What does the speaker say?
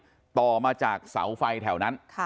มันต่อมาจากเสาไฟแถวนั้น